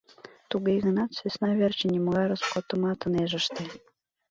Туге гынат сӧсна верчын нимогай роскотымат ынеж ыште.